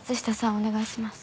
お願いします。